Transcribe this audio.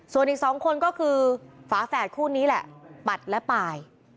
ส่วนอีก๒คนก็คือฝาแฝดคู่นี้แหละปัดและปาย